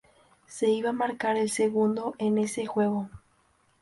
Se iba a marcar el segundo en ese juego.